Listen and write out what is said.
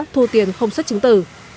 thu tiền không xuất chứng tử